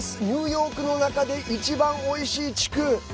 ニューヨークの中で一番おいしい地区